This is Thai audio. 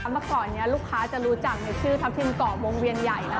มาก่อนเนี่ยลูกค้าจะรู้จักในชื่อทับทิมกรอบวงเวียนใหญ่นะคะ